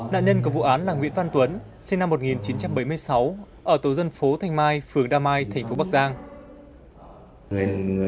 nạn nhân của vụ án là nguyễn văn tuấn sinh năm một nghìn chín trăm bảy mươi sáu ở tổ dân phố thanh mai phường đa mai thành phố bắc giang